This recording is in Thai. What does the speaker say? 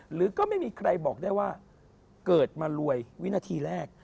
หรือก็ไม่มีใครบอกได้ว่าเกิดมารวยวินาทีแรก